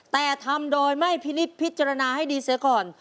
แต่ทำโดยไม่พินิษฐพิจารณาให้ดีเสียก่อน